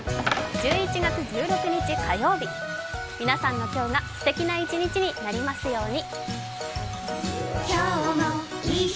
１１月１６日火曜日、皆さんの今日がすてきな一日になりますように。